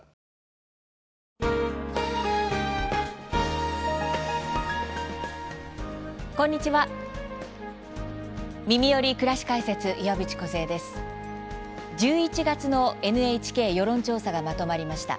１１月のＮＨＫ世論調査がまとまりました。